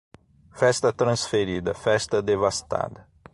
Festa transferida, festa devastada.